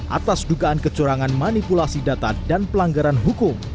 atas dugaan kecurangan manipulasi data dan pelanggaran hukum